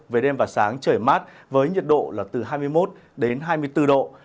về đêm và sáng trời mát với nhiệt độ là từ hai mươi một đến hai mươi bốn độ